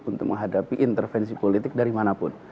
untuk menghadapi intervensi politik dari mana pun